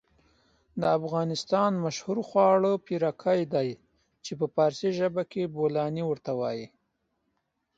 د افغانستان مشهور خواړه پيرکي دي چې په فارسي ژبه کې بولانى ورته وايي.